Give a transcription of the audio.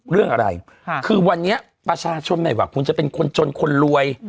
เรื่องอะไรคือวันนี้ประชาชนไม่ว่าคุณจะเป็นคนจนคนรวย